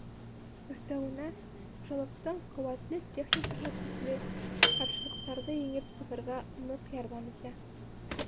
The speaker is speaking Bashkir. Өҫтәүенә, хужалыҡтың ҡеүәтле техникаһы төрлө ҡаршылыҡтарҙы еңеп сығырға ныҡ ярҙам итә.